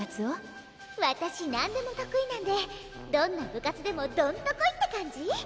わたし何でも得意なんでどんな部活でもどんと来いって感じ？